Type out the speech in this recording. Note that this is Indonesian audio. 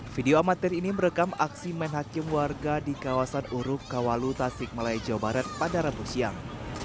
video amatir ini merekam aksi main hakim warga di kawasan uruk kawalu tasik malaya jawa barat pada rabu siang